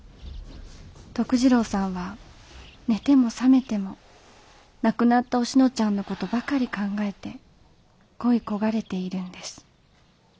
徳次郎さんは寝ても覚めても亡くなったおしのちゃんの事ばかり考えて恋い焦がれているんです